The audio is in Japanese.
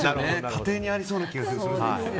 家庭によりそうな気がする。